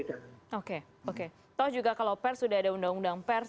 atau juga kalau pers sudah ada undang undang pers